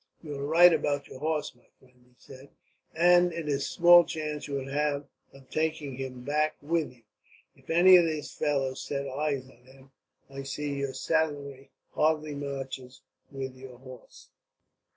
"You are right about your horse, my friend," he said; "and it is small chance you would have of taking him back with you, if any of these fellows set eyes on him. I see your saddlery hardly matches with your horse."